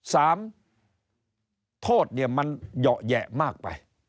โทษเนี่ยมันเหยาะแหยะมากไป